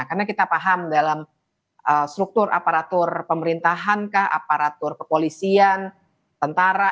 karena kita paham dalam struktur aparatur pemerintahan kah aparatur kepolisian tentara